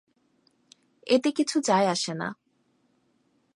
এতে কিছু যায় আসে না।